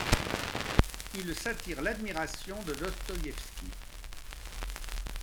Il s'attire l'admiration de Dostoïevski.